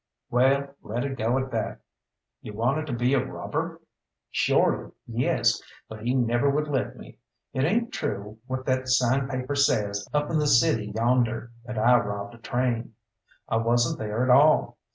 "Well, let it go at that. You wanted to be a robber?" "Shorely, yes, but he never would let me. It ain't true what that sign paper says up in the city yonder, that I robbed a train. I wasn't there at all.